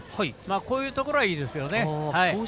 こういうところはいいですよね。